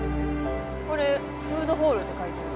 これフードホールって書いてある。